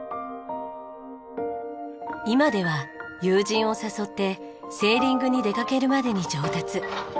今では友人を誘ってセーリングに出掛けるまでに上達。